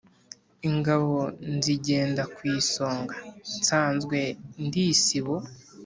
Ingabo nzigenda ku isonga nsanzwe ndi isibo,